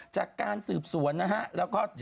จากการสืบสวนนะฮะแล้วก็